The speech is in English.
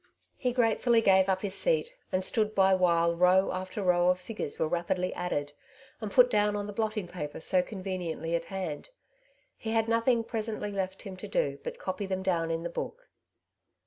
He gratefully gave up his seat, and stood by while row after row of figures were rapidly added, and put down on the blotting paper so conveniently at hand. He had nothing presently left him to do but copy them down in the book.